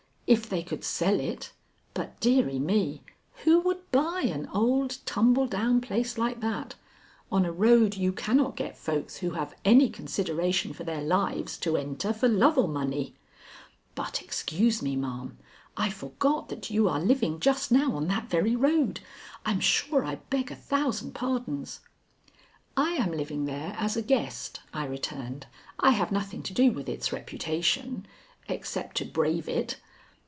If they could sell it! But, deary me, who would buy an old tumble down place like that, on a road you cannot get folks who have any consideration for their lives to enter for love or money? But excuse me, ma'am; I forgot that you are living just now on that very road. I'm sure I beg a thousand pardons." "I am living there as a guest," I returned. "I have nothing to do with its reputation except to brave it."